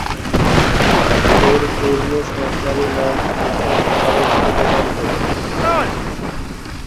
এর পূর্ণ সরকারী নাম মিশর আরব প্রজাতন্ত্র।